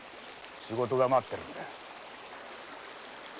仕事が待ってるんだ。